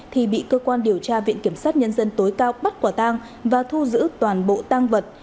thì bị cơ quan điều tra viện kiểm sát nhân dân tối cao bắt quả tang và thu giữ toàn bộ tang vật